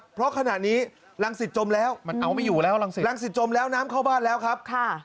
เพราะขณะนี้รังสิตจมแล้วมันเอาไม่อยู่แล้วรังสิรังสิตจมแล้วน้ำเข้าบ้านแล้วครับ